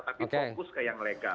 tapi fokus ke yang legal